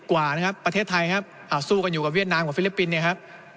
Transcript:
กว่านะครับประเทศไทยครับสู้กันอยู่กับเวียดนามกับฟิลิปปินส์เนี่ยครับ